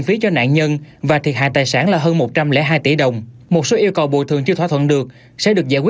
thì hiện nay nhà trường chưa được cấp